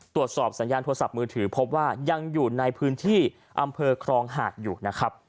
ตรวจสอบสัญญาณโทรศัพท์มือถือพบว่ายังอยู่ในพื้นที่อำเภอครองหาดอยู่นะครับ